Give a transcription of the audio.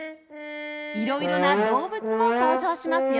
いろいろな動物も登場しますよ